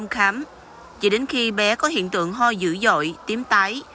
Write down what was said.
chỉ đến khi bé có hiện tượng ho dữ dội tím tái